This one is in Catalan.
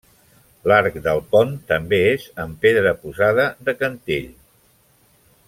L'arc del pont també és en pedra posada de cantell.